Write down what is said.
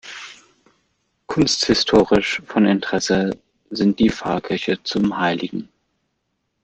Kunsthistorisch von Interesse sind die Pfarrkirche zum Hl.